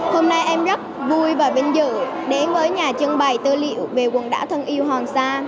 hôm nay em rất vui và vinh dự đến với nhà trưng bày tư liệu về quần đảo thân yêu hòn sa